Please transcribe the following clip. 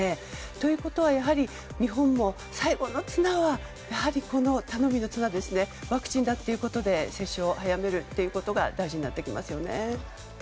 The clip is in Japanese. ということは、やはり日本も最後の頼みの綱は、やはりワクチンだということで接種を早めることが大事になってきますよね。